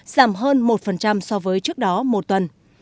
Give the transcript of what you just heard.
giảm hơn một so với trước đó một tuần